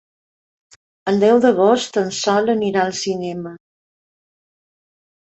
El deu d'agost en Sol anirà al cinema.